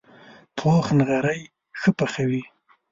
پوخ نغری ښه پخوي